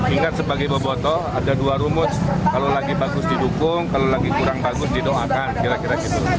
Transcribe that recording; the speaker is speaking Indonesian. ingat sebagai boboto ada dua rumus kalau lagi bagus didukung kalau lagi kurang bagus didoakan kira kira gitu